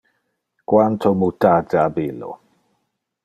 Quanto mutate ab illo!